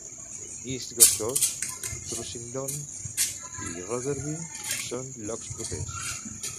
East Goscote, Thrussington i Rotherby són llocs propers.